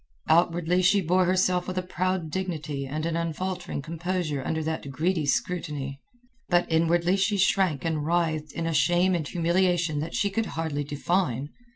Outwardly she bore herself with a proud dignity and an unfaltering composure under that greedy scrutiny; but inwardly she shrank and writhed in a shame and humiliation that she could hardly define.